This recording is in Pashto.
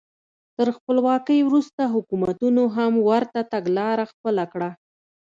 تر خپلواکۍ وروسته حکومتونو هم ورته تګلاره خپله کړه.